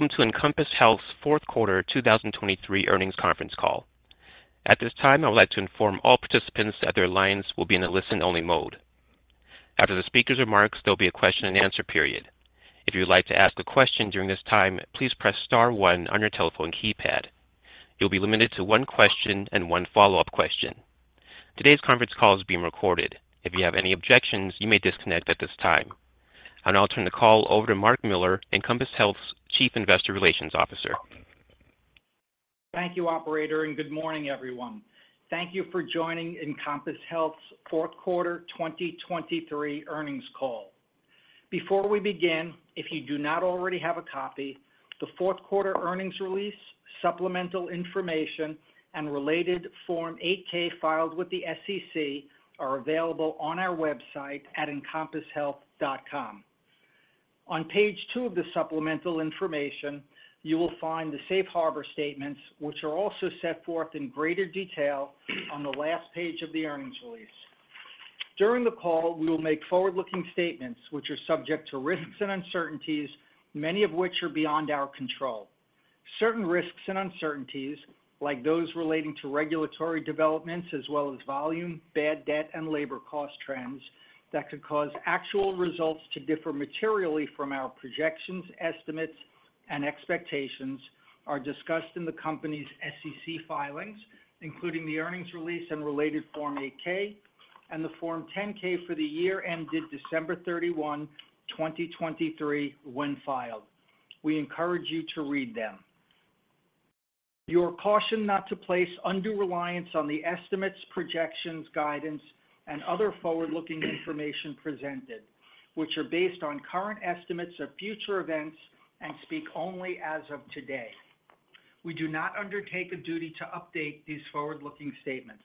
Welcome to Encompass Health's Fourth Quarter 2023 Earnings Conference Call. At this time, I would like to inform all participants that their lines will be in a listen-only mode. After the speaker's remarks, there'll be a question and answer period. If you would like to ask a question during this time, please press star one on your telephone keypad. You'll be limited to one question and one follow-up question. Today's conference call is being recorded. If you have any objections, you may disconnect at this time. I'll now turn the call over to Mark Miller, Encompass Health's Chief Investor Relations Officer. Thank you, operator, and good morning, everyone. Thank you for joining Encompass Health's Fourth Quarter 2023 Earnings Call. Before we begin, if you do not already have a copy, the fourth quarter earnings release, supplemental information, and related Form 8-K filed with the SEC are available on our website at encompasshealth.com. On page 2 of the supplemental information, you will find the safe harbor statements, which are also set forth in greater detail on the last page of the earnings release. During the call, we will make forward-looking statements which are subject to risks and uncertainties, many of which are beyond our control. Certain risks and uncertainties, like those relating to regulatory developments as well as volume, bad debt, and labor cost trends that could cause actual results to differ materially from our projections, estimates, and expectations, are discussed in the company's SEC filings, including the earnings release and related Form 8-K and the Form 10-K for the year ended December 31, 2023, when filed. We encourage you to read them. You are cautioned not to place undue reliance on the estimates, projections, guidance, and other forward-looking information presented, which are based on current estimates of future events and speak only as of today. We do not undertake a duty to update these forward-looking statements.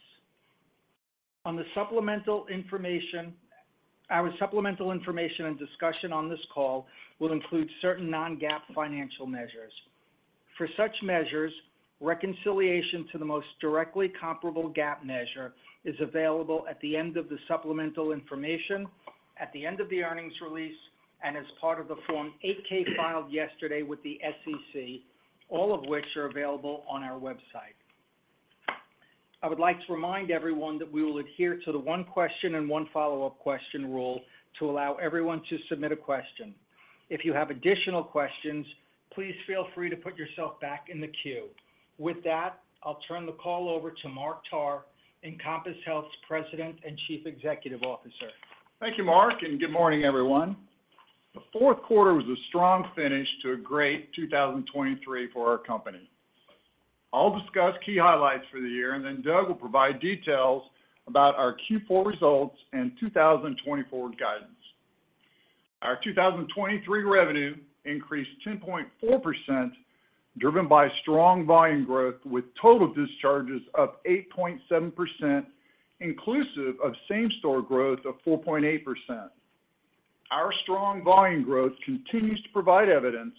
On the supplemental information. Our supplemental information and discussion on this call will include certain non-GAAP financial measures. For such measures, reconciliation to the most directly comparable GAAP measure is available at the end of the supplemental information, at the end of the earnings release, and as part of the Form 8-K filed yesterday with the SEC, all of which are available on our website. I would like to remind everyone that we will adhere to the one question and one follow-up question rule to allow everyone to submit a question. If you have additional questions, please feel free to put yourself back in the queue. With that, I'll turn the call over to Mark Tarr, Encompass Health's President and Chief Executive Officer. Thank you, Mark, and good morning, everyone. The fourth quarter was a strong finish to a great 2023 for our company. I'll discuss key highlights for the year, and then Doug will provide details about our Q4 results and 2024 guidance. Our 2023 revenue increased 10.4%, driven by strong volume growth, with total discharges up 8.7%, inclusive of same-store growth of 4.8%. Our strong volume growth continues to provide evidence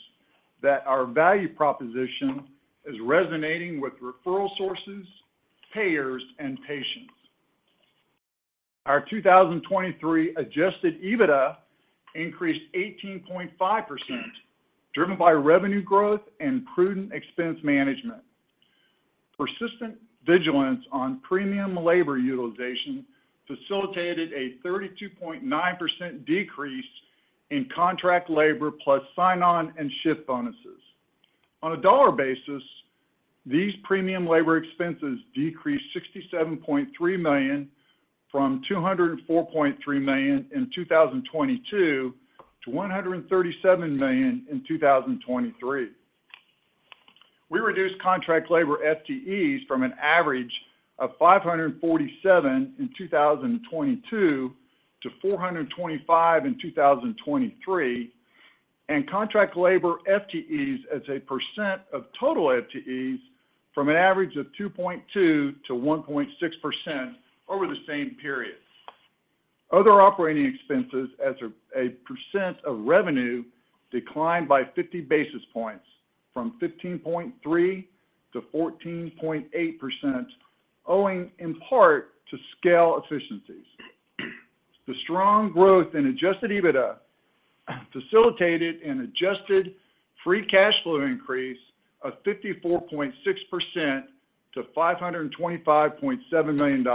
that our value proposition is resonating with referral sources, payers, and patients. Our 2023 Adjusted EBITDA increased 18.5%, driven by revenue growth and prudent expense management. Persistent vigilance on premium labor utilization facilitated a 32.9% decrease in contract labor plus sign-on and shift bonuses. On a dollar basis, these premium labor expenses decreased $67.3 million from $204.3 million in 2022 to $137 million in 2023. We reduced contract labor FTEs from an average of 547 in 2022 to 425 in 2023, and contract labor FTEs as a percent of total FTEs from an average of 2.2 to 1.6% over the same period. Other operating expenses as a percent of revenue declined by 50 basis points from 15.3% to 14.8%, owing in part to scale efficiencies. The strong growth in adjusted EBITDA facilitated an adjusted free cash flow increase of 54.6% to $525.7 million.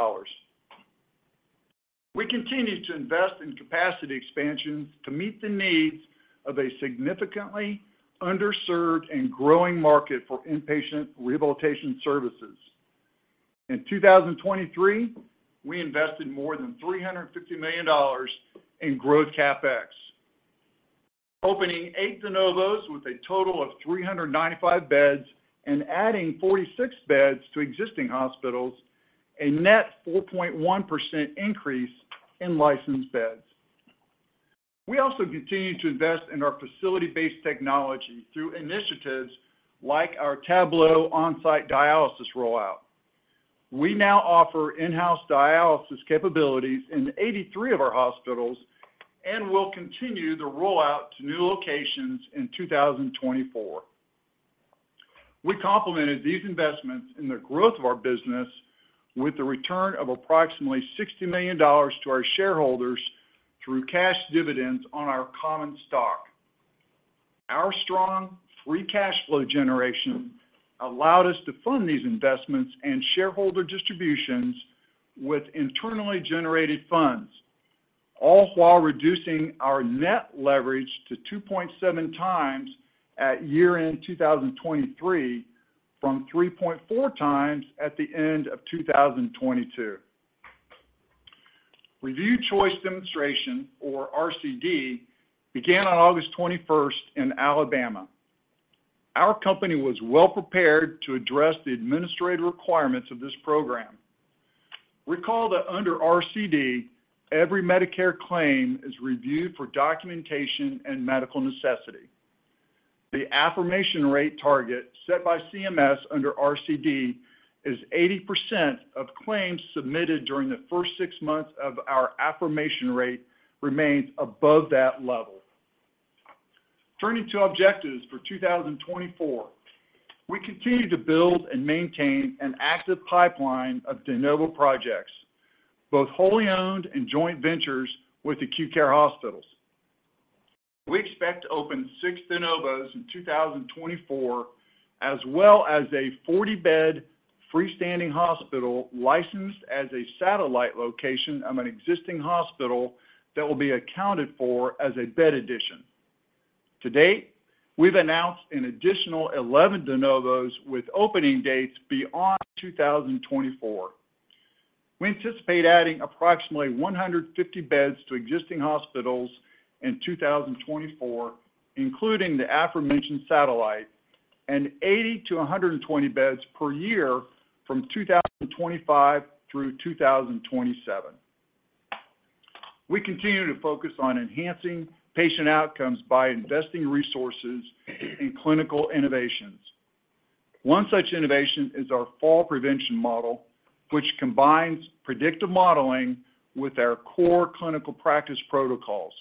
We continue to invest in capacity expansions to meet the needs of a significantly underserved and growing market for inpatient rehabilitation services. In 2023, we invested more than $350 million in growth CapEx, opening 8 de novos with a total of 395 beds and adding 46 beds to existing hospitals, a net 4.1% increase in licensed beds. We also continue to invest in our facility-based technology through initiatives like our Tablo on-site dialysis rollout. We now offer in-house dialysis capabilities in 83 of our hospitals and will continue the rollout to new locations in 2024. We complemented these investments in the growth of our business with a return of approximately $60 million to our shareholders through cash dividends on our common stock. Our strong, free cash flow generation allowed us to fund these investments and shareholder distributions with internally generated funds, all while reducing our net leverage to 2.7 times at year-end 2023, from 3.4 times at the end of 2022. Review Choice Demonstration, or RCD, began on August 21st in Alabama. Our company was well prepared to address the administrative requirements of this program. Recall that under RCD, every Medicare claim is reviewed for documentation and medical necessity. The affirmation rate target set by CMS under RCD is 80% of claims submitted during the first 6 months of our affirmation rate remains above that level. Turning to objectives for 2024, we continue to build and maintain an active pipeline of de novo projects, both wholly owned and joint ventures with acute care hospitals. We expect to open 6 de novos in 2024, as well as a 40-bed freestanding hospital, licensed as a satellite location of an existing hospital that will be accounted for as a bed addition. To date, we've announced an additional 11 de novos with opening dates beyond 2024. We anticipate adding approximately 150 beds to existing hospitals in 2024, including the aforementioned satellite, and 80-120 beds per year from 2025 through 2027. We continue to focus on enhancing patient outcomes by investing resources in clinical innovations. One such innovation is our fall prevention model, which combines predictive modeling with our core clinical practice protocols.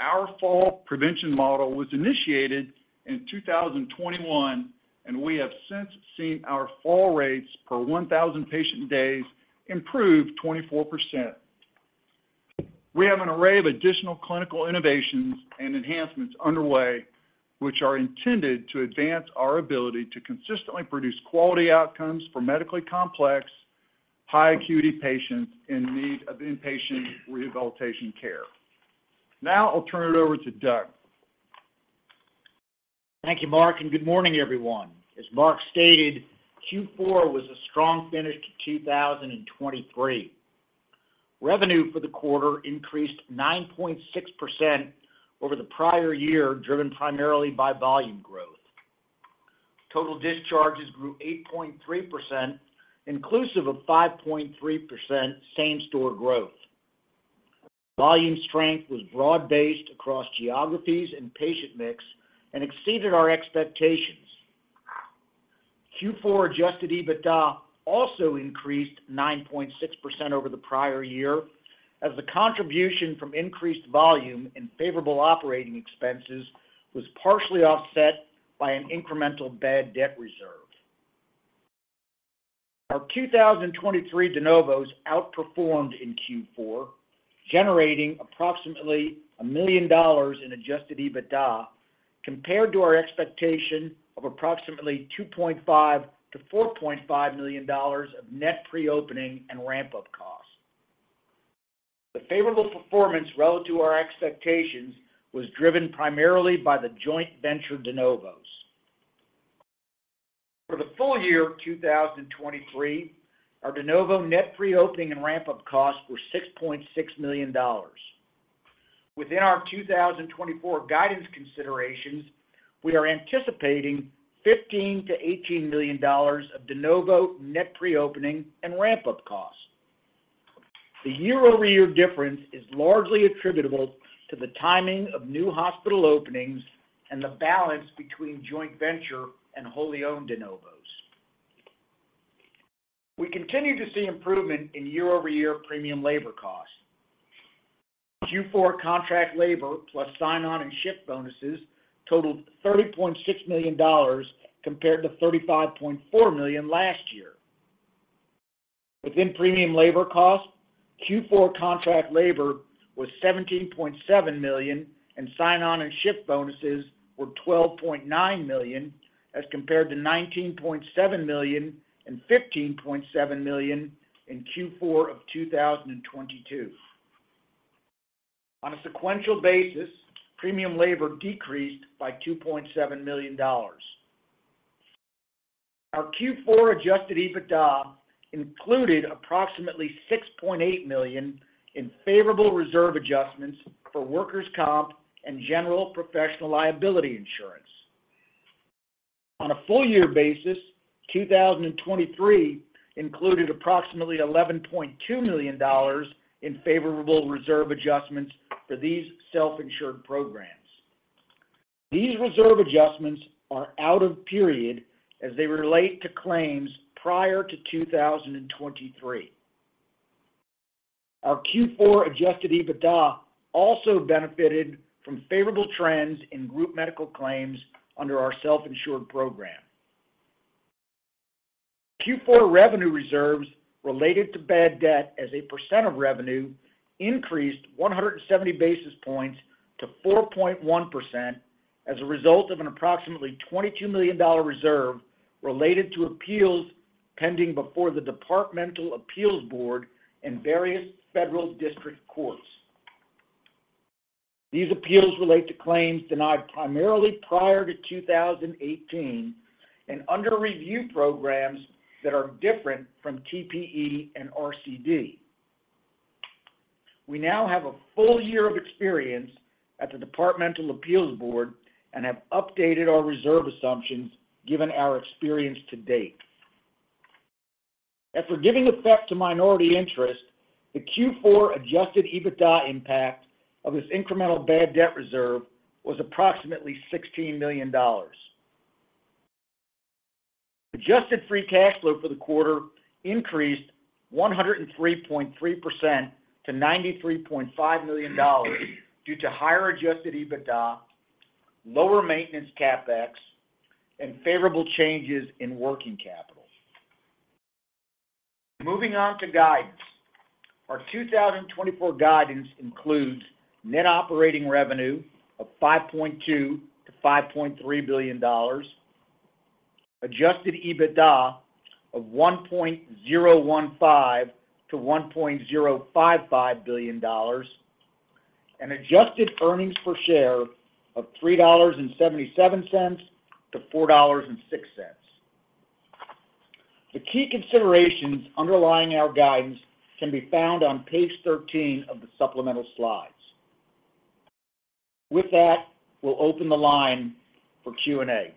Our fall prevention model was initiated in 2021, and we have since seen our fall rates per 1,000 patient days improve 24%. We have an array of additional clinical innovations and enhancements underway, which are intended to advance our ability to consistently produce quality outcomes for medically complex, high acuity patients in need of inpatient rehabilitation care. Now, I'll turn it over to Doug. Thank you, Mark, and good morning, everyone. As Mark stated, Q4 was a strong finish to 2023. Revenue for the quarter increased 9.6% over the prior year, driven primarily by volume growth. Total discharges grew 8.3%, inclusive of 5.3% same-store growth. Volume strength was broad-based across geographies and patient mix and exceeded our expectations. Q4 Adjusted EBITDA also increased 9.6% over the prior year, as the contribution from increased volume and favorable operating expenses was partially offset by an incremental bad debt reserve. Our 2023 de novos outperformed in Q4, generating approximately $1 million in Adjusted EBITDA, compared to our expectation of approximately $2.5 million-$4.5 million of net pre-opening and ramp-up costs. The favorable performance relative to our expectations was driven primarily by the joint venture de novos. For the full year of 2023, our de novo net pre-opening and ramp-up costs were $6.6 million. Within our 2024 guidance considerations, we are anticipating $15 million-$18 million of de novo net pre-opening and ramp-up costs. The year-over-year difference is largely attributable to the timing of new hospital openings and the balance between joint venture and wholly owned de novos. We continue to see improvement in year-over-year premium labor costs. Q4 contract labor, plus sign-on and shift bonuses, totaled $30.6 million, compared to $35.4 million last year. Within premium labor costs, Q4 contract labor was $17.7 million, and sign-on and shift bonuses were $12.9 million, as compared to $19.7 million and $15.7 million in Q4 of 2022. On a sequential basis, premium labor decreased by $2.7 million. Our Q4 adjusted EBITDA included approximately $6.8 million in favorable reserve adjustments for workers' comp and general professional liability insurance. On a full year basis, 2023 included approximately $11.2 million in favorable reserve adjustments for these self-insured programs. These reserve adjustments are out of period as they relate to claims prior to 2023. Our Q4 adjusted EBITDA also benefited from favorable trends in group medical claims under our self-insured program. Q4 revenue reserves related to bad debt as a % of revenue increased 170 basis points to 4.1% as a result of an approximately $22 million reserve related to appeals pending before the Departmental Appeals Board in various federal district courts. These appeals relate to claims denied primarily prior to 2018, and under review programs that are different from TPE and RCD. We now have a full year of experience at the Departmental Appeals Board and have updated our reserve assumptions given our experience to date. After giving effect to minority interest, the Q4 adjusted EBITDA impact of this incremental bad debt reserve was approximately $16 million. Adjusted free cash flow for the quarter increased 103.3% to $93.5 million due to higher adjusted EBITDA, lower maintenance CapEx, and favorable changes in working capital. Moving on to guidance. Our 2024 guidance includes net operating revenue of $5.2 billion-$5.3 billion, adjusted EBITDA of $1.015 billion-$1.055 billion, and adjusted earnings per share of $3.77-$4.06. The key considerations underlying our guidance can be found on page 13 of the supplemental slides. With that, we'll open the line for Q&A.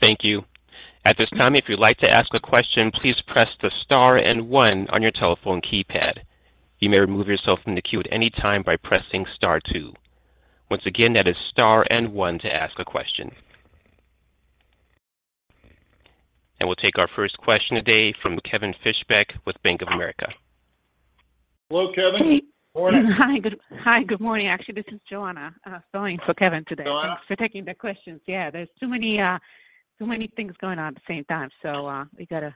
Thank you. At this time, if you'd like to ask a question, please press the Star and one on your telephone keypad. You may remove yourself from the queue at any time by pressing Star two. Once again, that is Star and one to ask a question. We'll take our first question today from Kevin Fischbeck with Bank of America. Hello, Kevin. Morning. Hi, good morning. Actually, this is Joanna, filling in for Kevin today. Hi, Joanna. Thanks for taking the questions. Yeah, there's too many, too many things going on at the same time, so, we got to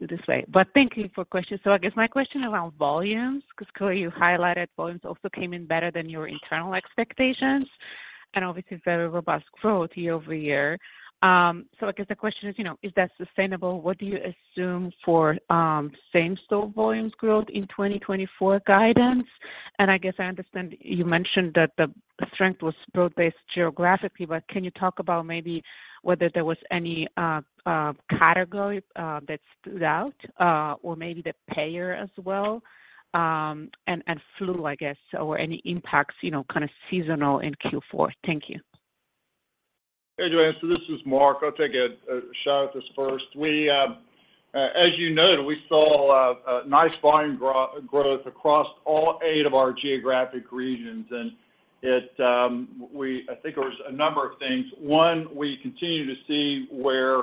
do this way. But thank you for questions. So I guess my question around volumes, because Mark, you highlighted volumes also came in better than your internal expectations, and obviously very robust growth year-over-year. So I guess the question is, you know, is that sustainable? What do you assume for same-store volumes growth in 2024 guidance? And I guess I understand you mentioned that the strength was broad-based geographically, but can you talk about maybe whether there was any category that stood out, or maybe the payer as well, and flu, I guess, or any impacts, you know, kind of seasonal in Q4? Thank you. Hey, Joanna, so this is Mark. I'll take a shot at this first. We, as you noted, we saw a nice volume growth across all eight of our geographic regions, and it I think there was a number of things. One, we continue to see where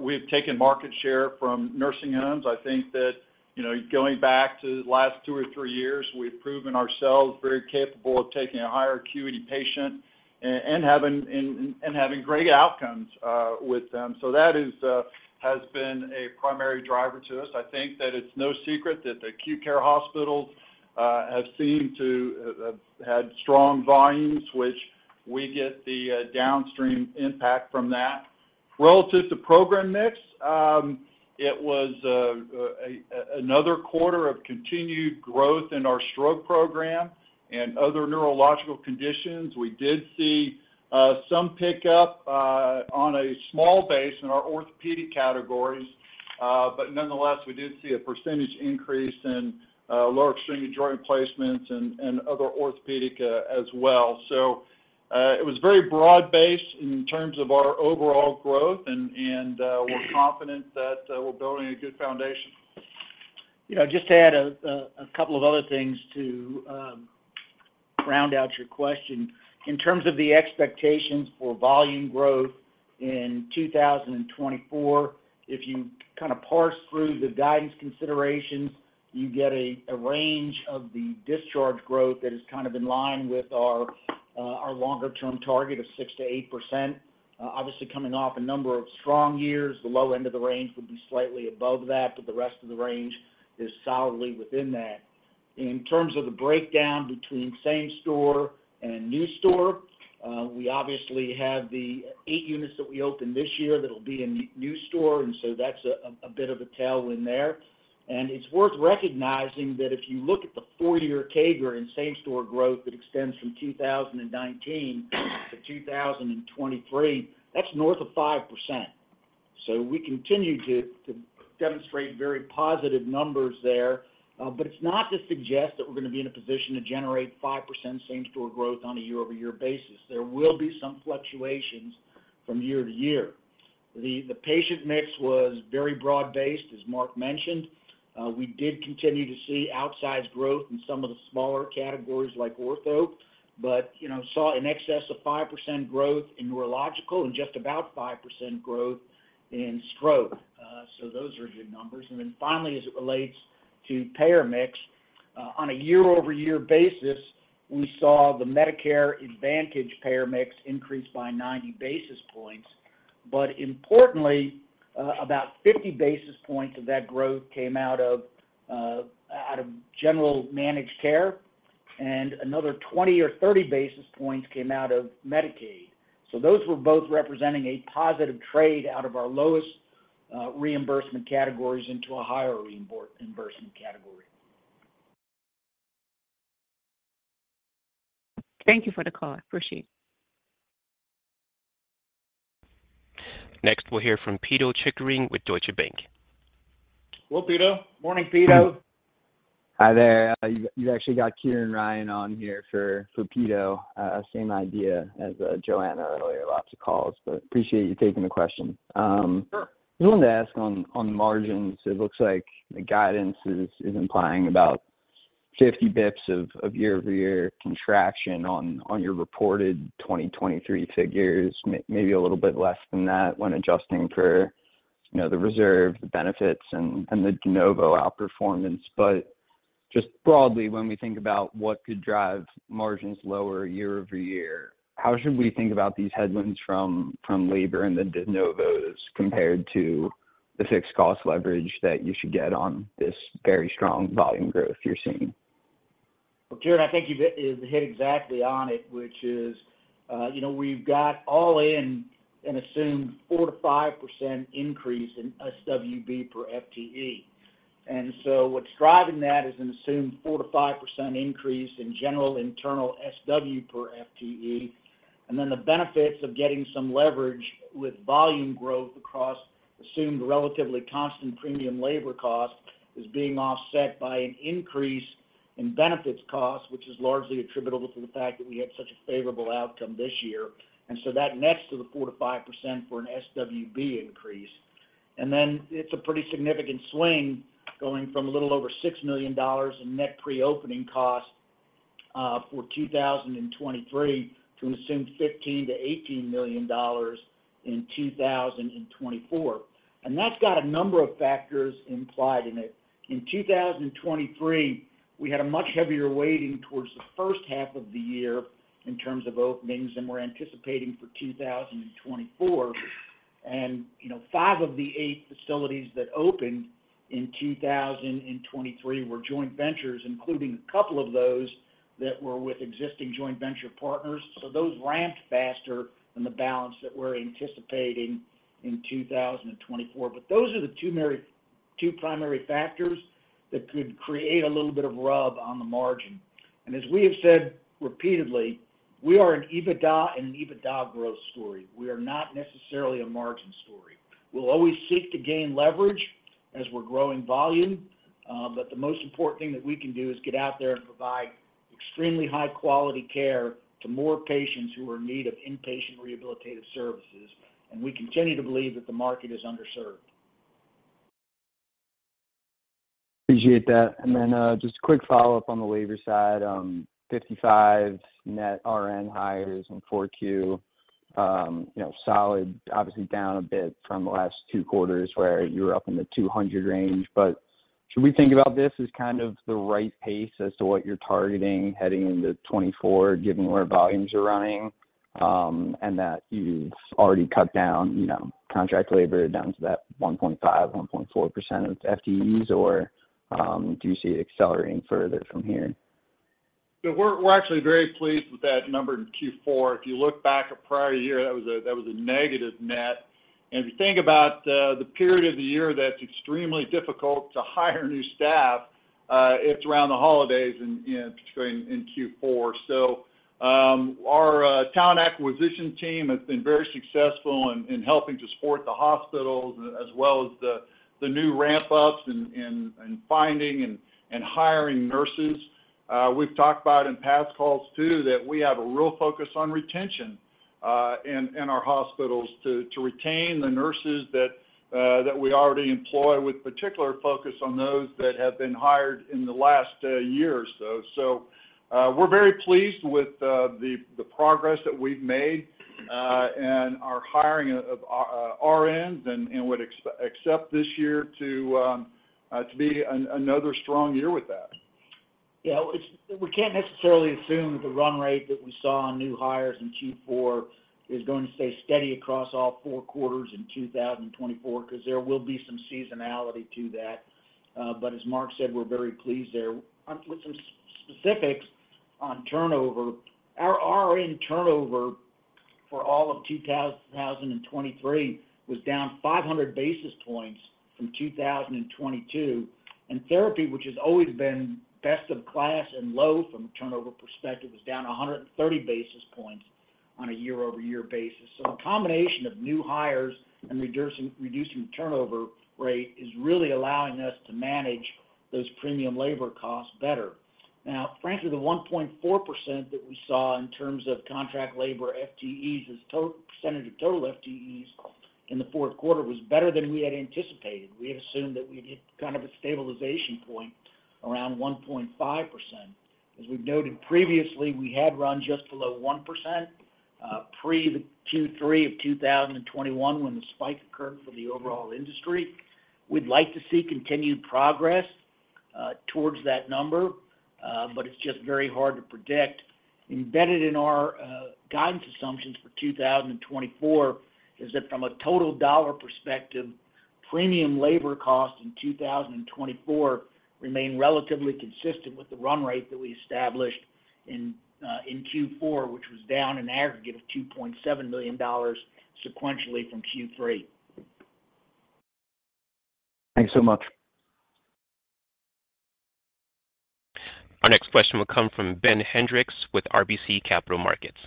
we've taken market share from nursing homes. I think that, you know, going back to the last two or three years, we've proven ourselves very capable of taking a higher acuity patient and having great outcomes with them. So that is has been a primary driver to us. I think that it's no secret that acute care hospitals have seemed to had strong volumes, which we get the downstream impact from that. Relative to program mix, it was another quarter of continued growth in our stroke program and other neurological conditions. We did see some pickup on a small base in our orthopedic categories, but nonetheless, we did see a percentage increase in lower extremity joint replacements and other orthopedic as well. So, it was very broad-based in terms of our overall growth, and we're confident that we're building a good foundation. You know, just to add a couple of other things to round out your question. In terms of the expectations for volume growth in 2024, if you kind of parse through the guidance considerations, you get a range of the discharge growth that is kind of in line with our longer-term target of 6%-8%. Obviously, coming off a number of strong years, the low end of the range would be slightly above that, but the rest of the range is solidly within that. In terms of the breakdown between same store and new store, we obviously have the 8 units that we opened this year that will be in the new store, and so that's a bit of a tailwind there. It's worth recognizing that if you look at the 4-year CAGR in same-store growth that extends from 2019 to 2023, that's north of 5%. So we continue to demonstrate very positive numbers there, but it's not to suggest that we're going to be in a position to generate 5% same-store growth on a year-over-year basis. There will be some fluctuations from year to year. The patient mix was very broad-based, as Mark mentioned. We did continue to see outsized growth in some of the smaller categories like ortho, but, you know, saw in excess of 5% growth in neurological and just about 5% growth in stroke—those are good numbers. And then finally, as it relates to payer mix, on a year-over-year basis, we saw the Medicare Advantage payer mix increase by 90 basis points. But importantly, about 50 basis points of that growth came out of, out of general managed care, and another 20 or 30 basis points came out of Medicaid. So those were both representing a positive trade out of our lowest, reimbursement categories into a higher reimbursement category. Thank you for the color. Appreciate it. Next, we'll hear from Pito Chickering with Deutsche Bank. Hello, Pito. Morning, Pito. Hi there. You've actually got Kieran Ryan on here for Pito. Same idea as Joanna earlier. Lots of calls, but appreciate you taking the question. Sure. I wanted to ask on the margins, it looks like the guidance is implying about 50 basis points of year-over-year contraction on your reported 2023 figures, maybe a little bit less than that when adjusting for, you know, the reserve, the benefits, and the de novo outperformance. But just broadly, when we think about what could drive margins lower year over year, how should we think about these headwinds from labor and the de novos, compared to the fixed cost leverage that you should get on this very strong volume growth you're seeing? Well, Kieran, I think you've hit exactly on it, which is, you know, we've got all in an assumed 4%-5% increase in SWB per FTE. And so what's driving that is an assumed 4%-5% increase in general internal SW per FTE. And then the benefits of getting some leverage with volume growth across assumed relatively constant premium labor cost is being offset by an increase in benefits cost, which is largely attributable to the fact that we had such a favorable outcome this year. And so that nets to the 4%-5% for an SWB increase. And then it's a pretty significant swing going from a little over $6 million in net pre-opening costs for 2023, to an assumed $15 million-$18 million in 2024. That's got a number of factors implied in it. In 2023, we had a much heavier weighting towards the first half of the year in terms of openings than we're anticipating for 2024. And, you know, five of the eight facilities that opened in 2023 were joint ventures, including a couple of those that were with existing joint venture partners. So those ramped faster than the balance that we're anticipating in 2024. But those are the two primary factors that could create a little bit of rub on the margin. And as we have said repeatedly, we are an EBITDA and an EBITDA growth story. We are not necessarily a margin story. We'll always seek to gain leverage as we're growing volume, but the most important thing that we can do is get out there and provide extremely high quality care to more patients who are in need of inpatient rehabilitative services, and we continue to believe that the market is underserved. Appreciate that. And then, just a quick follow-up on the labor side. 55 net RN hires in Q4. You know, solid, obviously down a bit from the last two quarters where you were up in the 200 range. But should we think about this as kind of the right pace as to what you're targeting heading into 2024, given where volumes are running, and that you've already cut down, you know, contract labor down to that 1.5, 1.4% of FTEs, or, do you see it accelerating further from here? So we're actually very pleased with that number in Q4. If you look back a prior year, that was a negative net. And if you think about the period of the year, that's extremely difficult to hire new staff, it's around the holidays and, you know, particularly in Q4. So our talent acquisition team has been very successful in helping to support the hospitals, as well as the new ramp-ups and finding and hiring nurses. We've talked about in past calls, too, that we have a real focus on retention in our hospitals to retain the nurses that we already employ, with particular focus on those that have been hired in the last year or so. So, we're very pleased with the progress that we've made, and our hiring of RNs, and would expect this year to be another strong year with that. Yeah, it's we can't necessarily assume that the run rate that we saw on new hires in Q4 is going to stay steady across all four quarters in 2024, because there will be some seasonality to that. But as Mark said, we're very pleased there. With some specifics on turnover, our RN turnover for all of 2023 was down 500 basis points from 2022. And therapy, which has always been best in class and low from a turnover perspective, was down 130 basis points on a year-over-year basis. So a combination of new hires and reducing turnover rate is really allowing us to manage those premium labor costs better. Now, frankly, the 1.4% that we saw in terms of contract labor FTEs as percentage of total FTEs in the fourth quarter was better than we had anticipated. We had assumed that we'd hit kind of a stabilization point around 1.5%—as we've noted previously, we had run just below 1% pre the Q3 of 2021, when the spike occurred for the overall industry. We'd like to see continued progress towards that number, but it's just very hard to predict. Embedded in our guidance assumptions for 2024 is that from a total dollar perspective, premium labor costs in 2024 remain relatively consistent with the run rate that we established in Q4, which was down an aggregate of $2.7 million sequentially from Q3. Thanks so much. Our next question will come from Ben Hendricks with RBC Capital Markets.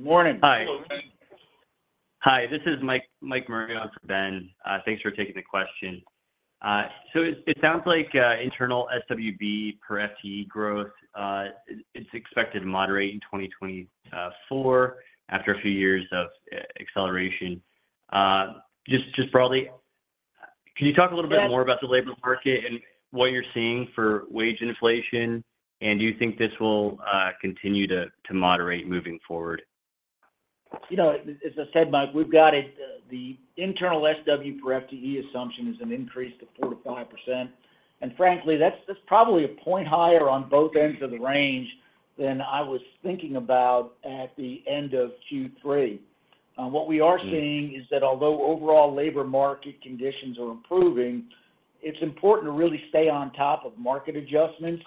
Morning. Hi. Hi, this is Mike, Mike Murray on for Ben. Thanks for taking the question. So it sounds like internal SWB per FTE growth is expected to moderate in 2024, after a few years of acceleration. Just broadly, can you talk a little bit more— Yes. About the labor market and what you're seeing for wage inflation, and do you think this will continue to moderate moving forward? You know, as I said, Mike, we've got it, the internal SW per FTE assumption is an increase to 4%-5%, and frankly, that's, that's probably a point higher on both ends of the range than I was thinking about at the end of Q3. What we are seeing is that although overall labor market conditions are improving, it's important to really stay on top of market adjustments.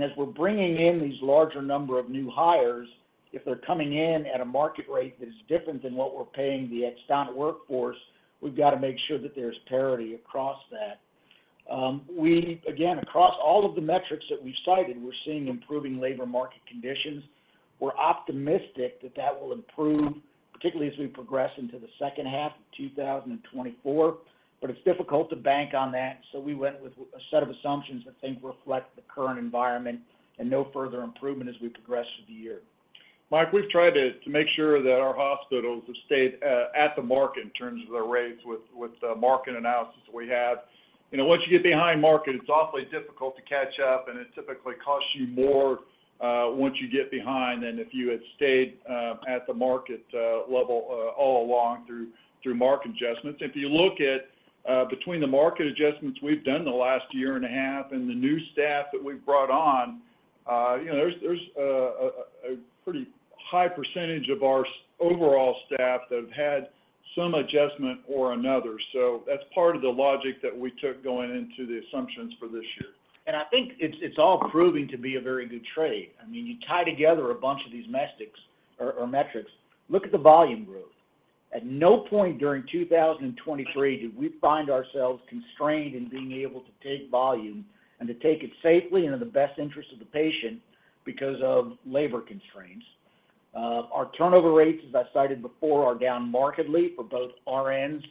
As we're bringing in these larger number of new hires, if they're coming in at a market rate that is different than what we're paying the existing workforce, we've got to make sure that there's parity across that. We, again, across all of the metrics that we've cited, we're seeing improving labor market conditions. We're optimistic that that will improve, particularly as we progress into the second half of 2024, but it's difficult to bank on that, so we went with a set of assumptions that I think reflect the current environment and no further improvement as we progress through the year. Mike, we've tried to make sure that our hospitals have stayed at the market in terms of their rates with the market analysis we have. You know, once you get behind market, it's awfully difficult to catch up, and it typically costs you more once you get behind than if you had stayed at the market level all along through market adjustments. If you look at between the market adjustments we've done in the last year and a half and the new staff that we've brought on, you know, there's a pretty high percentage of our overall staff that have had some adjustment or another. So that's part of the logic that we took going into the assumptions for this year. I think it's all proving to be a very good trade. I mean, you tie together a bunch of these metrics, look at the volume growth. At no point during 2023 did we find ourselves constrained in being able to take volume and to take it safely and in the best interest of the patient because of labor constraints. Our turnover rates, as I cited before, are down markedly for both RNs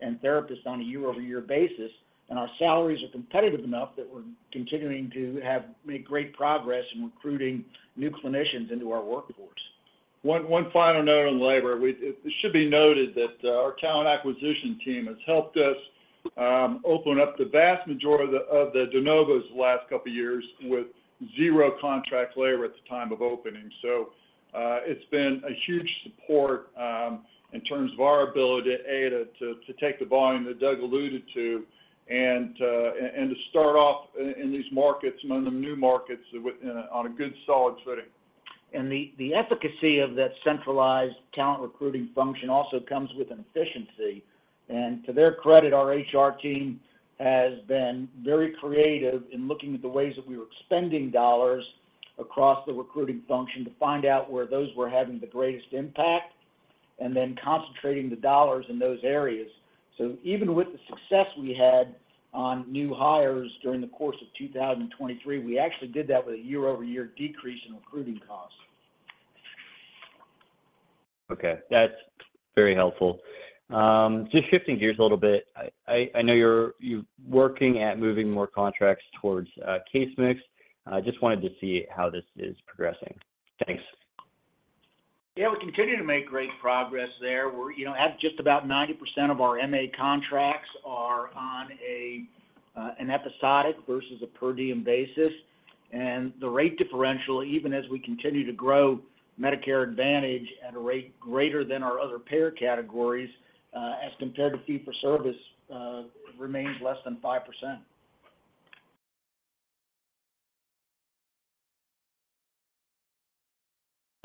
and therapists on a year-over-year basis, and our salaries are competitive enough that we're continuing to have made great progress in recruiting new clinicians into our workforce. One final note on labor. It should be noted that our talent acquisition team has helped us open up the vast majority of the de novos the last couple of years, with zero contract labor at the time of opening. So, it's been a huge support in terms of our ability to take the volume that Doug alluded to, and to start off in these markets, among the new markets, with on a good, solid footing. And the efficacy of that centralized talent recruiting function also comes with an efficiency. To their credit, our HR team has been very creative in looking at the ways that we were spending dollars across the recruiting function to find out where those were having the greatest impact, and then concentrating the dollars in those areas. So even with the success we had on new hires during the course of 2023, we actually did that with a year-over-year decrease in recruiting costs. Okay, that's very helpful. Just shifting gears a little bit, I know you're working at moving more contracts towards case mix. I just wanted to see how this is progressing. Thanks. Yeah, we continue to make great progress there. We're, you know, at just about 90% of our MA contracts are on a, an episodic versus a per diem basis. And the rate differential, even as we continue to grow Medicare Advantage at a rate greater than our other payer categories, as compared to fee-for-service, remains less than 5%.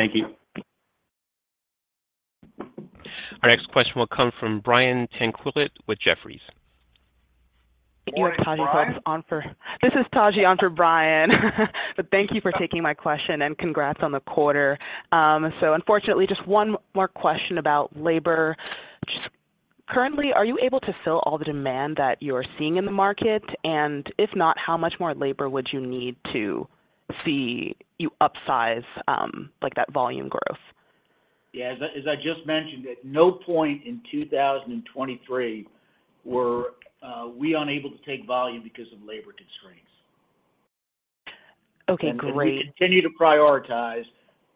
Thank you. Our next question will come from Brian Tanquilut with Jefferies. Thank you, Taji. Morning, Brian. This is Taji on for Brian. Thank you for taking my question, and congrats on the quarter. Unfortunately, just one more question about labor. Just currently, are you able to fill all the demand that you're seeing in the market? If not, how much more labor would you need to see you upsize, like, that volume growth? Yeah, as I just mentioned, at no point in 2023 were we unable to take volume because of labor constraints. Okay, great. We continue to prioritize.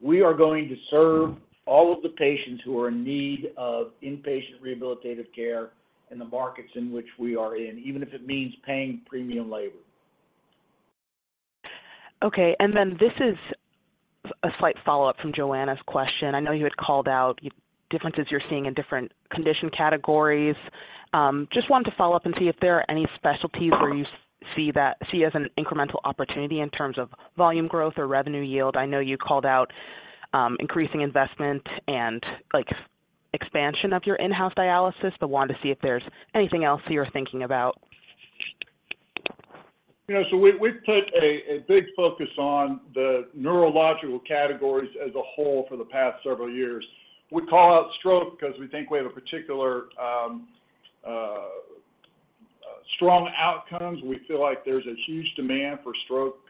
We are going to serve all of the patients who are in need of inpatient rehabilitative care in the markets in which we are in, even if it means paying premium labor. Okay, and then this is a slight follow-up from Joanna's question. I know you had called out differences you're seeing in different condition categories. Just wanted to follow up and see if there are any specialties where you see as an incremental opportunity in terms of volume growth or revenue yield. I know you called out, increasing investment and, like, expansion of your in-house dialysis, but wanted to see if there's anything else you're thinking about? You know, so we've put a big focus on the neurological categories as a whole for the past several years. We call out stroke 'cause we think we have a particular strong outcomes. We feel like there's a huge demand for stroke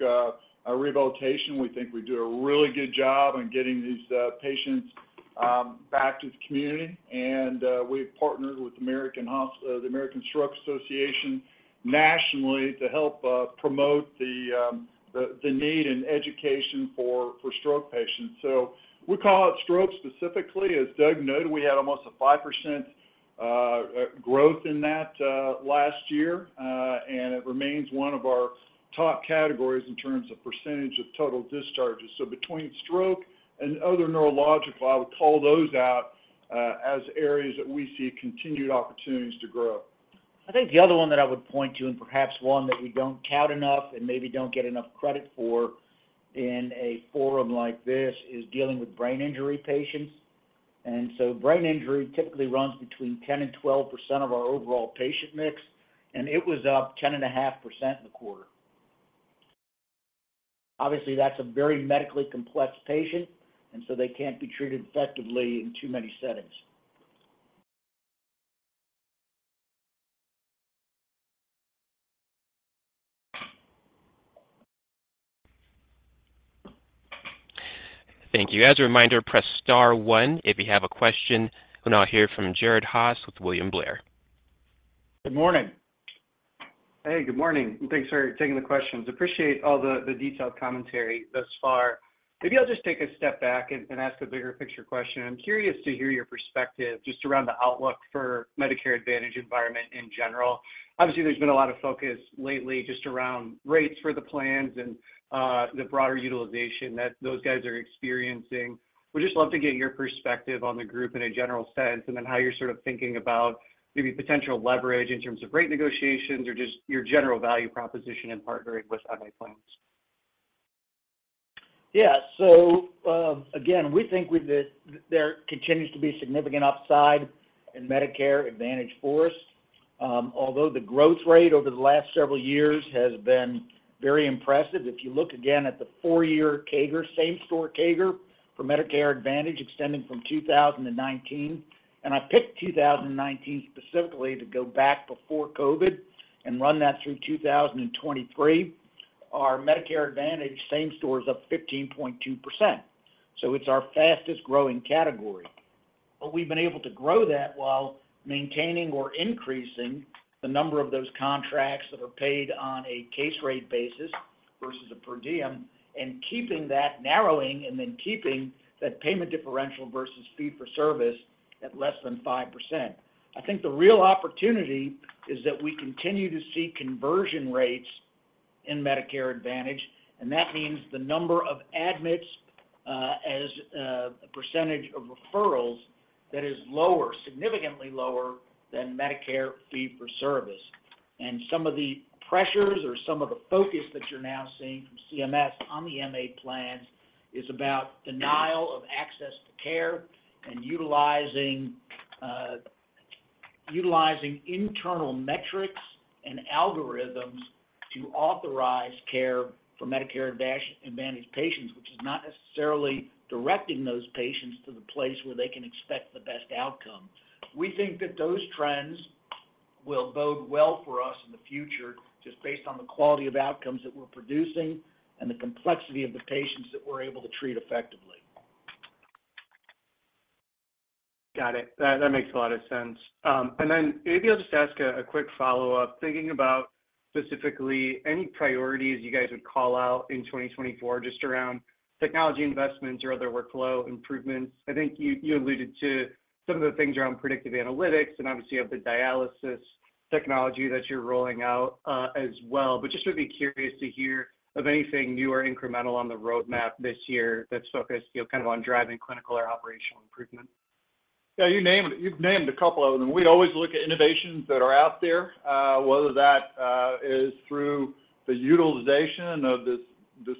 rehabilitation. We think we do a really good job in getting these patients back to the community, and we've partnered with the American Stroke Association nationally to help promote the need and education for stroke patients. So we call out stroke specifically. As Doug noted, we had almost a 5% growth in that last year, and it remains one of our top categories in terms of percentage of total discharges. Between stroke and other neurological, I would call those out as areas that we see continued opportunities to grow. I think the other one that I would point to, and perhaps one that we don't tout enough and maybe don't get enough credit for in a forum like this, is dealing with brain injury patients. Brain injury typically runs between 10% and 12% of our overall patient mix, and it was up 10.5% in the quarter. Obviously, that's a very medically complex patient, and so they can't be treated effectively in too many settings. Thank you. As a reminder, press star one if you have a question. We'll now hear from Jared Haase with William Blair. Good morning. Hey, good morning, and thanks for taking the questions. Appreciate all the detailed commentary thus far. Maybe I'll just take a step back and ask a bigger picture question. I'm curious to hear your perspective just around the outlook for Medicare Advantage environment in general. Obviously, there's been a lot of focus lately just around rates for the plans and the broader utilization that those guys are experiencing. Would just love to get your perspective on the group in a general sense, and then how you're sort of thinking about maybe potential leverage in terms of rate negotiations or just your general value proposition in partnering with MA plans? Yeah. So, again, we think with this, there continues to be significant upside in Medicare Advantage for us. Although the growth rate over the last several years has been very impressive, if you look again at the four-year CAGR, same-store CAGR for Medicare Advantage, extending from 2019, and I picked 2019 specifically to go back before COVID and run that through 2023, our Medicare Advantage same-store is up 15.2%. So it's our fastest-growing category. But we've been able to grow that while maintaining or increasing the number of those contracts that are paid on a case rate basis versus a per diem, and keeping that narrowing, and then keeping that payment differential versus fee-for-service at less than 5%. I think the real opportunity is that we continue to see conversion rates in Medicare Advantage, and that means the number of admits as a percentage of referrals that is lower, significantly lower than Medicare fee-for-service. And some of the pressures or some of the focus that you're now seeing from CMS on the MA plans is about denial of access to care and utilizing internal metrics and algorithms to authorize care for Medicare Advantage patients, which is not necessarily directing those patients to the place where they can expect the best outcome. We think that those trends will bode well for us in the future, just based on the quality of outcomes that we're producing and the complexity of the patients that we're able to treat effectively. Got it. That makes a lot of sense. And then maybe I'll just ask a quick follow-up. Thinking about specifically any priorities you guys would call out in 2024, just around technology investments or other workflow improvements. I think you alluded to some of the things around predictive analytics and obviously you have the dialysis technology that you're rolling out, as well. But just would be curious to hear of anything new or incremental on the roadmap this year that's focused, you know, kind of on driving clinical or operational improvement? Yeah, you've named a couple of them. We always look at innovations that are out there, whether that is through the utilization of this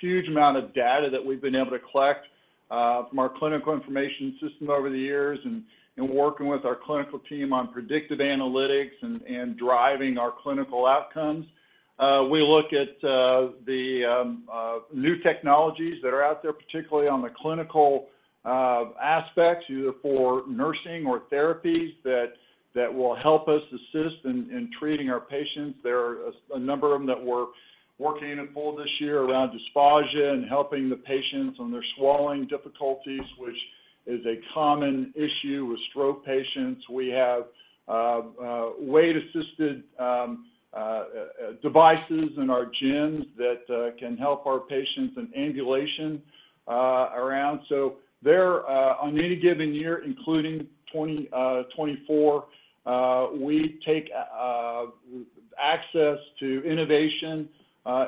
huge amount of data that we've been able to collect from our clinical information system over the years, and working with our clinical team on predictive analytics and driving our clinical outcomes. We look at the new technologies that are out there, particularly on the clinical aspects, either for nursing or therapies, that will help us assist in treating our patients. There are a number of them that we're working in full this year around dysphagia and helping the patients on their swallowing difficulties, which is a common issue with stroke patients. We have weight-assisted devices in our gyms that can help our patients in ambulation around. So there on any given year, including 2024, we take access to innovation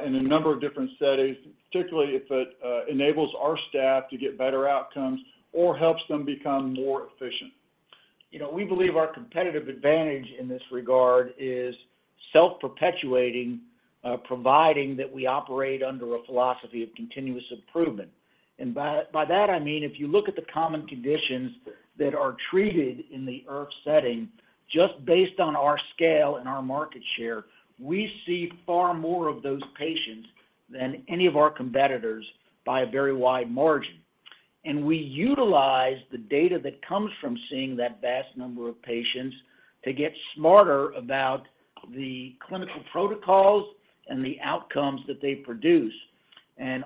in a number of different settings, particularly if it enables our staff to get better outcomes or helps them become more efficient. You know, we believe our competitive advantage in this regard is self-perpetuating, providing that we operate under a philosophy of continuous improvement. And by that, I mean, if you look at the common conditions that are treated in the IRF setting, just based on our scale and our market share, we see far more of those patients than any of our competitors by a very wide margin. We utilize the data that comes from seeing that vast number of patients to get smarter about the clinical protocols and the outcomes that they produce.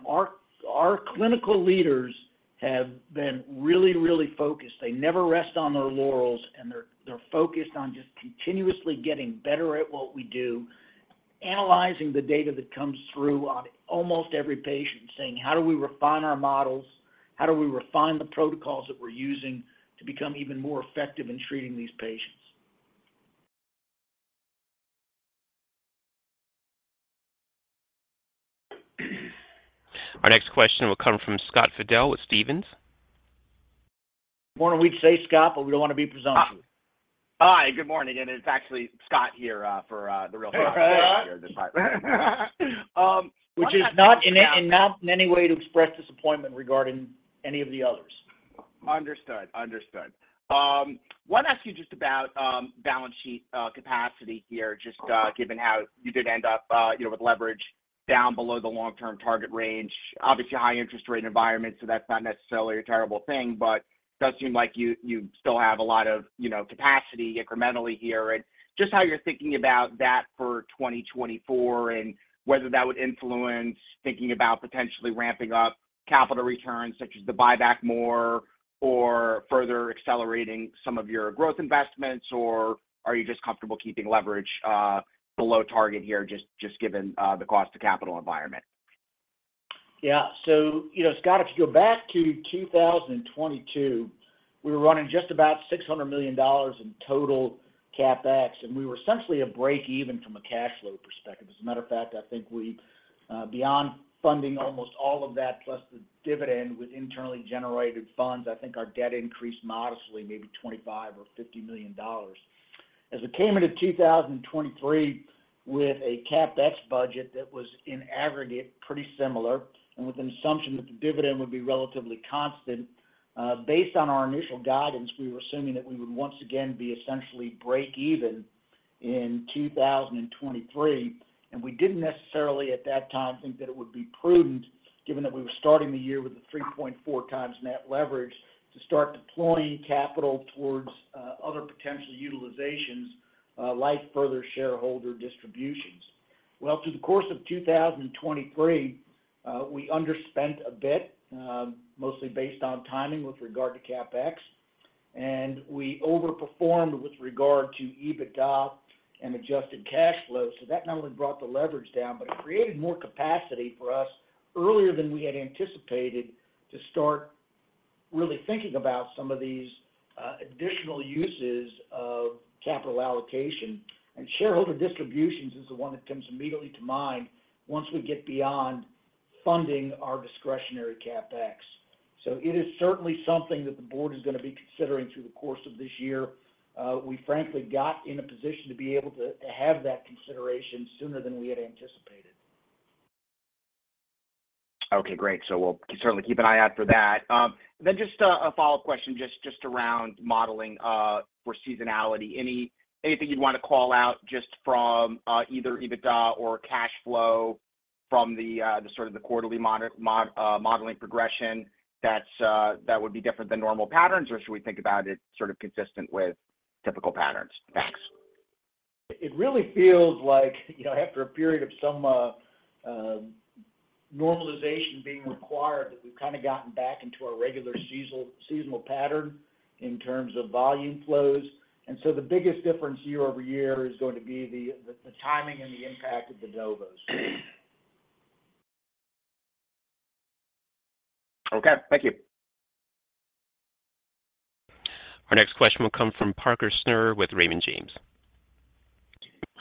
Our, our clinical leaders have been really, really focused. They never rest on their laurels, and they're, they're focused on just continuously getting better at what we do, analyzing the data that comes through on almost every patient, saying: How do we refine our models? How do we refine the protocols that we're using to become even more effective in treating these patients? Our next question will come from Scott Fidel with Stephens. Morning, we'd say, Scott, but we don't want to be presumptuous. Hi, good morning, and it's actually Scott here for the real here— Hi, Scott. Which is not in any way to express disappointment regarding any of the others. Understood. Understood. Wanted to ask you just about balance sheet capacity here, just given how you did end up, you know, with leverage down below the long-term target range, obviously a high interest rate environment, so that's not necessarily a terrible thing, but does seem like you, you still have a lot of, you know, capacity incrementally here, and just how you're thinking about that for 2024, and whether that would influence thinking about potentially ramping up capital returns, such as the buyback more or further accelerating some of your growth investments, or are you just comfortable keeping leverage below target here, just given the cost of capital environment? Yeah. So, you know, Scott, if you go back to 2022, we were running just about $600 million in total CapEx, and we were essentially a break even from a cash flow perspective. As a matter of fact, I think we, beyond funding almost all of that, plus the dividend with internally generated funds, I think our debt increased modestly, maybe $25 million or $50 million. As we came into 2023 with a CapEx budget that was, in aggregate, pretty similar, and with an assumption that the dividend would be relatively constant, based on our initial guidance, we were assuming that we would once again be essentially break even in 2023. We didn't necessarily, at that time, think that it would be prudent, given that we were starting the year with a 3.4 times net leverage, to start deploying capital towards other potential utilizations like further shareholder distributions. Well, through the course of 2023, we underspent a bit, mostly based on timing with regard to CapEx, and we overperformed with regard to EBITDA and adjusted cash flow. So that not only brought the leverage down, but it created more capacity for us earlier than we had anticipated to start really thinking about some of these additional uses of capital allocation. And shareholder distributions is the one that comes immediately to mind once we get beyond funding our discretionary CapEx. So it is certainly something that the board is going to be considering through the course of this year. We frankly got in a position to be able to, to have that consideration sooner than we had anticipated. Okay, great. So we'll certainly keep an eye out for that. Then just a follow-up question, just around modeling for seasonality. Anything you'd want to call out just from either EBITDA or cash flow from the sort of the quarterly modeling progression, that's that would be different than normal patterns, or should we think about it sort of consistent with typical patterns? Thanks. It really feels like, you know, after a period of some normalization being required, that we've gotten back into our regular seasonal pattern in terms of volume flows. And so the biggest difference year over year is going to be the timing and the impact of the de novos. Okay, thank you. Our next question will come from Parker Snure with Raymond James.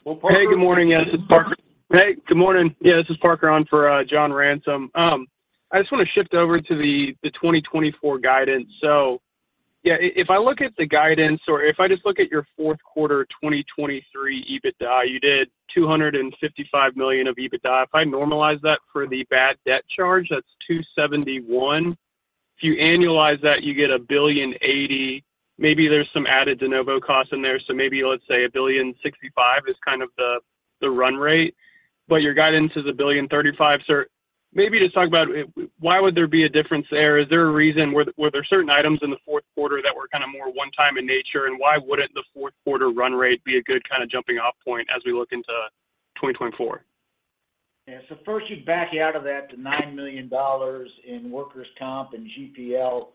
Well, Parker— Hey, good morning. Yeah, this is Parker. Hey, good morning. Yeah, this is Parker on for John Ransom. I just want to shift over to the 2024 guidance. So, yeah, if I look at the guidance or if I just look at your fourth quarter, 2023 EBITDA, you did $255 million of EBITDA. If I normalize that for the bad debt charge, that's $271 million. If you annualize that, you get $1.08 billion. Maybe there's some added de novo costs in there, so maybe, let's say, $1.065 billion is kind of the run rate, but your guidance is $1.035 billion. So maybe just talk about why would there be a difference there? Is there a reason? Were there certain items in the fourth quarter that were more one time in nature, and why wouldn't the fourth quarter run rate be a good jumping off point as we look into 2024? Yeah. So first you'd back out of that to $9 million in workers' comp and GPL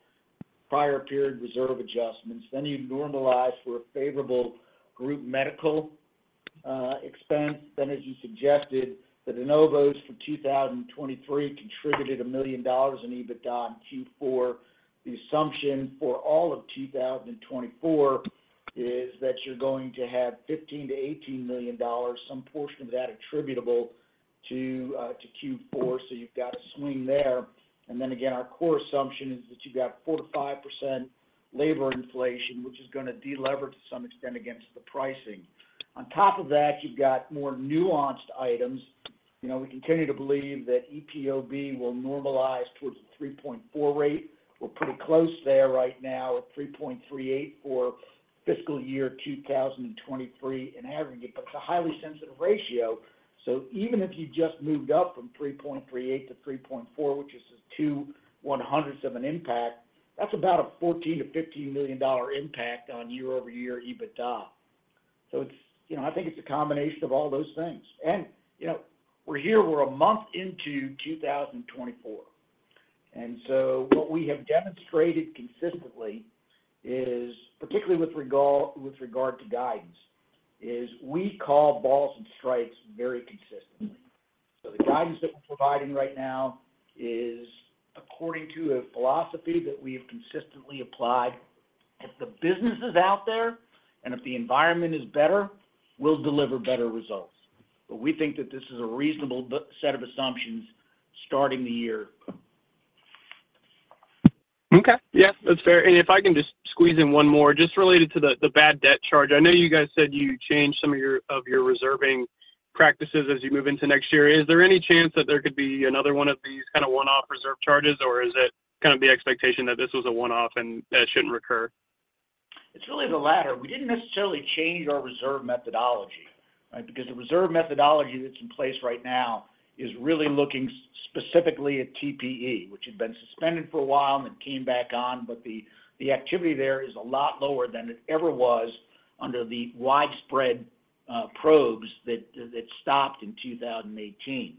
prior period reserve adjustments. Then you'd normalize for a favorable group medical expense. Then, as you suggested, the de novos for 2023 contributed $1 million in EBITDA in Q4. The assumption for all of 2024 is that you're going to have $15 million-$18 million, some portion of that attributable to Q4. So you've got a swing there. And then again, our core assumption is that you've got 4%-5% labor inflation, which is going to delever to some extent against the pricing. On top of that, you've got more nuanced items. You know, we continue to believe that EPOB will normalize towards a 3.4 rate. We're pretty close there right now at 3.38 for fiscal year 2023 in aggregate, but it's a highly sensitive ratio. So even if you just moved up from 3.38 to 3.4, which is 0.02 of an impact, that's about a $14 million-$15 million impact on year-over-year EBITDA. So it's, you know, I think it's a combination of all those things. And, you know, we're here, we're a month into 2024. And so what we have demonstrated consistently is, particularly with regard, with regard to guidance, is we call balls and strikes very consistently. So the guidance that we're providing right now is according to a philosophy that we have consistently applied. If the business is out there and if the environment is better, we'll deliver better results. But we think that this is a reasonable set of assumptions starting the year. Okay. Yeah, that's fair. And if I can just squeeze in one more, just related to the bad debt charge. I know you guys said you changed some of your reserving practices as you move into next year. Is there any chance that there could be another one of these kind of one-off reserve charges, or is it kind of the expectation that this was a one-off and that it shouldn't recur? It's really the latter. We didn't necessarily change our reserve methodology, right? Because the reserve methodology that's in place right now is really looking specifically at TPE, which had been suspended for a while and then came back on, but the activity there is a lot lower than it ever was under the widespread probes that stopped in 2018.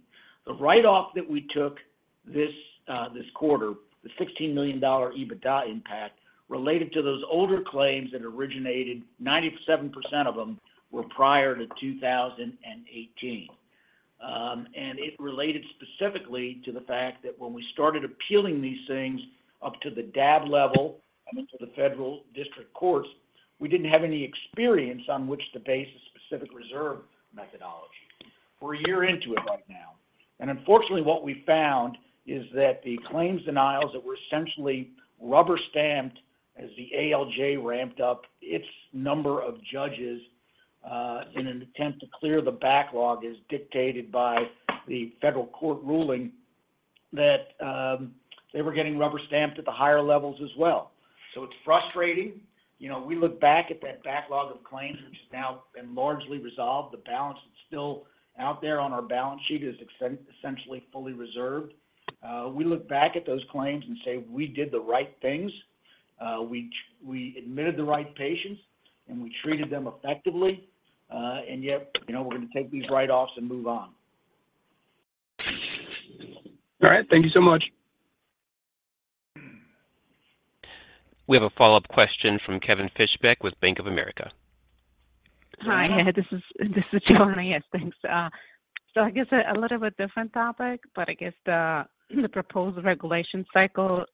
The write-off that we took this quarter, the $16 million EBITDA impact, related to those older claims that originated, 97% of them were prior to 2018. And it related specifically to the fact that when we started appealing these things up to the DAB level and into the federal district courts, we didn't have any experience on which to base a specific reserve methodology. We're a year into it right now, and unfortunately, what we found is that the claims denials that were essentially rubber-stamped as the ALJ ramped up its number of judges, in an attempt to clear the backlog, as dictated by the federal court ruling, that they were getting rubber-stamped at the higher levels as well. So it's frustrating. You know, we look back at that backlog of claims, which has now been largely resolved. The balance that's still out there on our balance sheet is essentially fully reserved. We look back at those claims and say, "We did the right things. We admitted the right patients, and we treated them effectively, and yet, you know, we're going to take these write-offs and move on. All right. Thank you so much. We have a follow-up question from Kevin Fischbeck with Bank of America. Hi, this is Joanna. Yes, thanks. So I guess a little bit different topic, but I guess the proposed regulation cycle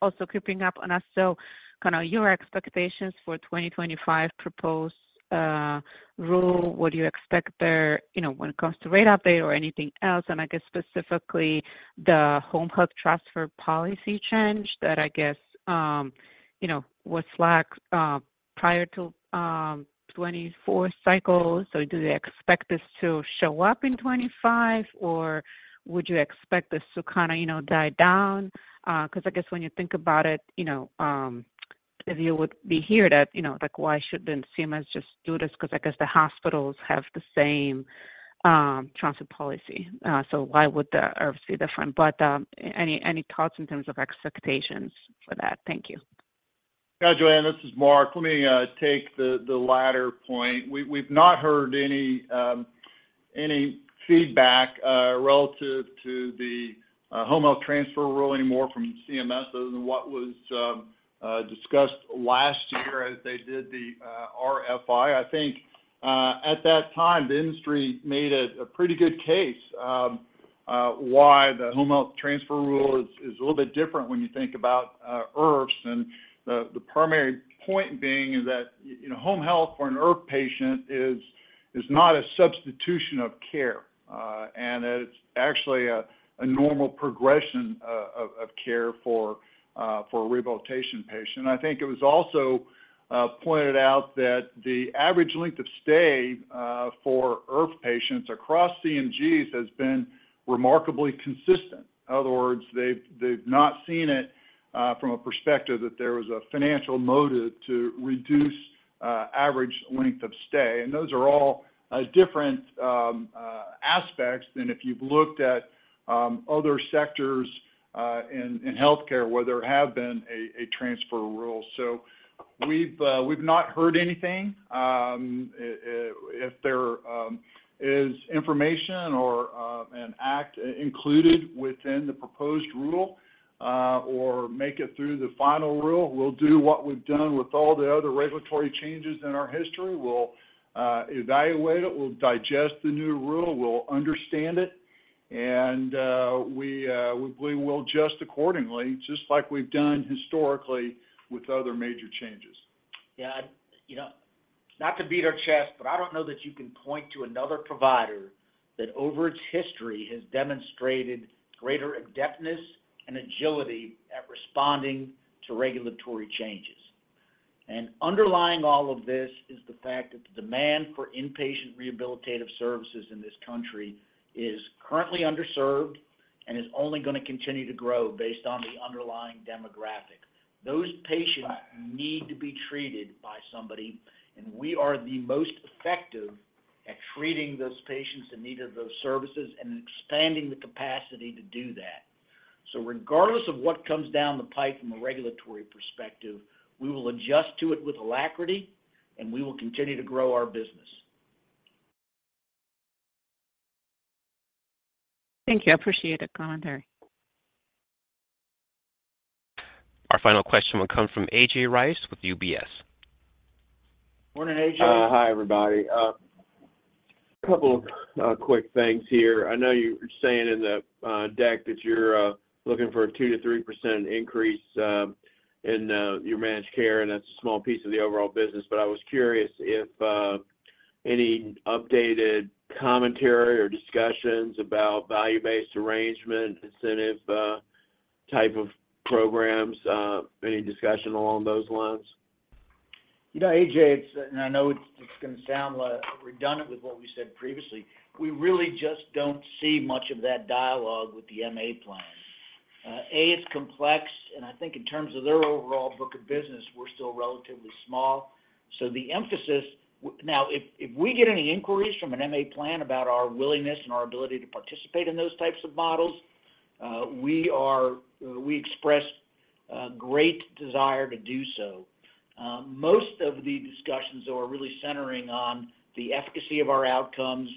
also creeping up on us. So kind of your expectations for 2025 proposed rule, what do you expect there, you know, when it comes to rate update or anything else? And I guess specifically, the home health transfer policy change that I guess, you know, was slacked prior to 2024 cycles. So do you expect this to show up in 2025, or would you expect this to kind of, you know, die down? Because I guess when you think about it, you know, if you would be here that, you know, like, why shouldn't CMS just do this? Because I guess the hospitals have the same transfer policy. So why would the IRFs be different? But any thoughts in terms of expectations for that? Thank you. Yeah, Joanna, this is Mark. Let me take the latter point. We've not heard any feedback relative to the home health transfer rule anymore from CMS other than what was discussed last year as they did the RFI. I think at that time, the industry made a pretty good case why the home health transfer rule is a little bit different when you think about IRFs. And the primary point being is that, you know, home health for an IRF patient is not a substitution of care, and that it's actually a normal progression of care for a rehabilitation patient. I think it was also pointed out that the average length of stay for IRF patients across CMGs has been remarkably consistent. In other words, they've not seen it from a perspective that there was a financial motive to reduce average length of stay. And those are all different aspects than if you've looked at other sectors in healthcare, where there have been a transfer rule. So we've not heard anything. If there is information or an act included within the proposed rule or make it through the final rule, we'll do what we've done with all the other regulatory changes in our history. We'll evaluate it, we'll digest the new rule, we'll understand it, and we will adjust accordingly, just like we've done historically with other major changes. Yeah, you know, not to beat our chest, but I don't know that you can point to another provider that over its history has demonstrated greater adeptness and agility at responding to regulatory changes. Underlying all of this is the fact that the demand for inpatient rehabilitative services in this country is currently underserved and is only gonna continue to grow based on the underlying demographics. Those patients need to be treated by somebody, and we are the most effective at treating those patients in need of those services and expanding the capacity to do that. Regardless of what comes down the pipe from a regulatory perspective, we will adjust to it with alacrity, and we will continue to grow our business. Thank you. I appreciate the commentary. Our final question will come from A.J. Rice with UBS. Morning, A.J. Hi, everybody. A couple of quick things here. I know you were saying in the deck that you're looking for a 2%-3% increase in your managed care, and that's a small piece of the overall business. But I was curious if any updated commentary or discussions about value-based arrangement, incentive type of programs, any discussion along those lines? You know, A.J., it's and I know it's, it's gonna sound redundant with what we said previously, we really just don't see much of that dialogue with the MA plan. A, it's complex, and I think in terms of their overall book of business, we're still relatively small. So the emphasis now, if we get any inquiries from an MA plan about our willingness and our ability to participate in those types of models, we are, we express great desire to do so. Most of the discussions are really centering on the efficacy of our outcomes,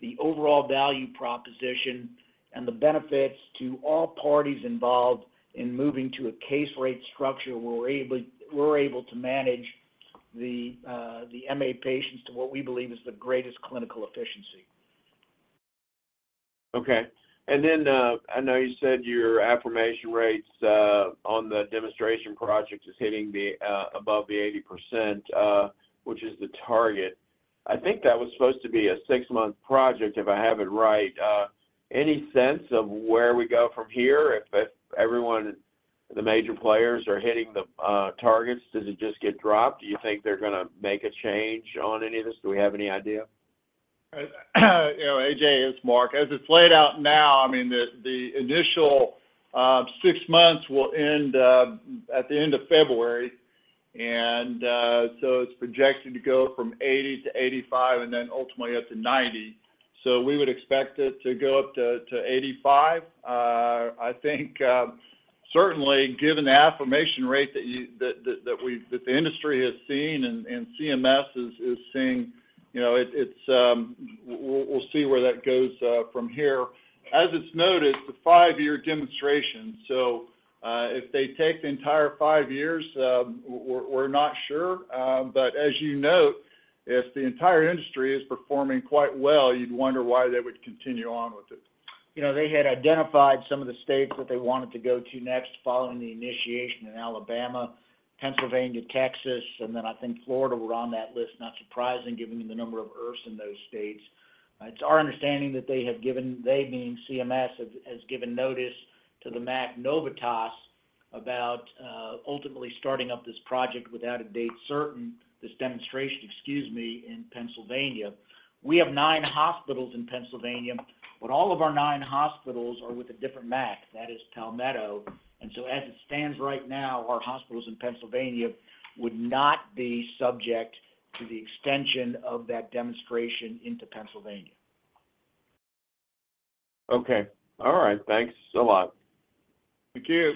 the overall value proposition, and the benefits to all parties involved in moving to a case rate structure where we're able, we're able to manage the the MA patients to what we believe is the greatest clinical efficiency. Okay. And then, I know you said your affirmation rates on the demonstration project is hitting the above the 80%, which is the target. I think that was supposed to be a six-month project, if I have it right. Any sense of where we go from here? If, if everyone, the major players are hitting the targets, does it just get dropped? Do you think they're gonna make a change on any of this? Do we have any idea? You know, A.J., it's Mark. As it's laid out now, I mean, the initial six months will end at the end of February, and so it's projected to go from 80 to 85 and then ultimately up to 90. So we would expect it to go up to 85. I think certainly, given the affirmation rate that the industry has seen and CMS is seeing, you know, it, it's—we'll see where that goes from here. As it's noted, it's a 5-year demonstration, so if they take the entire 5 years, we're not sure. But as you note, if the entire industry is performing quite well, you'd wonder why they would continue on with it. You know, they had identified some of the states that they wanted to go to next following the initiation in Alabama, Pennsylvania, Texas, and then I think Florida were on that list, not surprising, given the number of IRFs in those states. It's our understanding that they have given, they being CMS, has given notice to the MAC Novitas about ultimately starting up this project without a date certain, this demonstration, excuse me, in Pennsylvania. We have nine hospitals in Pennsylvania, but all of our nine hospitals are with a different MAC, that is Palmetto. And so as it stands right now, our hospitals in Pennsylvania would not be subject to the extension of that demonstration into Pennsylvania. Okay. All right. Thanks a lot. Thank you.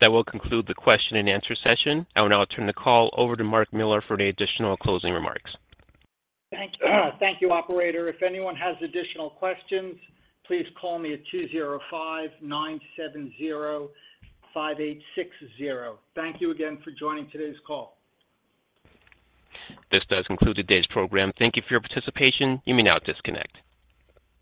That will conclude the question and answer session. I will now turn the call over to Mark Miller for any additional closing remarks. Thank—thank you, operator. If anyone has additional questions, please call me at 205-970-5860. Thank you again for joining today's call. This does conclude today's program. Thank you for your participation. You may now disconnect.